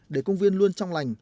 để công viên luôn trong lành